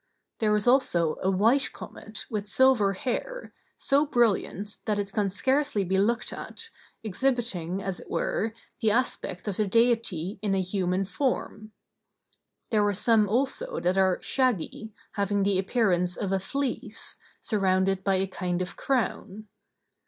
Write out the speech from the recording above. There is also a white comet, with silver hair, so brilliant that it can scarcely be looked at, exhibiting, as it were, the aspect of the Deity in a human form. There are some also that are shaggy, having the appearance of a fleece, surrounded by a kind of crown.